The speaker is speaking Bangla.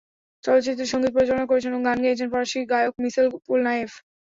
চলচ্চিত্রটির সঙ্গীত পরিচালনা করেছেন ও গান গেয়েছেন ফরাসি গায়ক মিশেল পোলনারেফ।